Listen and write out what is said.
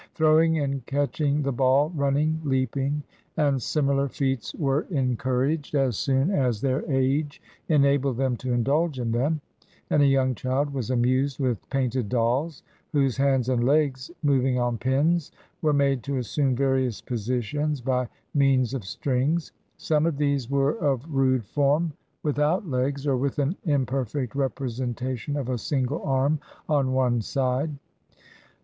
Throwing and catching the ball, running, leaping, and similar feats, were encouraged, as soon as their age en abled them to indulge in them ; and a young child was amused with painted dolls, whose hands and legs, mov ing on pins, were made to assume various positions by means of strings. Some of these were of rude form, with out legs, or with an imperfect representation of a single arm on one side.